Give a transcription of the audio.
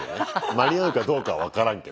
間に合うかどうかは分からんけど。